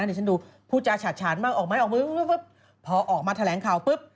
เดี๋ยวฉันดูผู้จาฉาดฉานมากออกไม้ออกมือปุ๊บพอออกมาแถลงข่าวปุ๊บ